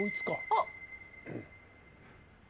あっ。